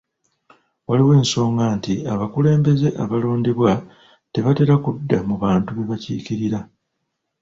Waliwo ensonga nti abakulembeze abalondebwa tebatera kudda mu bantu be bakiikirira.